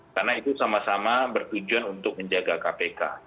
karena itu sama sama bertujuan untuk menjaga kpk